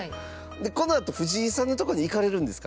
このあと、藤井さんのところへ行かれるんですか？